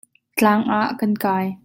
Tlang ah kan kai.